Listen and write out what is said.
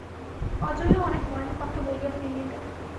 অজয়ও অনেক মনের কথা বলিয়া ফেলিল।